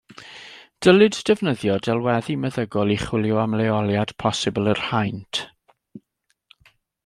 Dylid defnyddio delweddu meddygol i chwilio am leoliad posibl yr haint.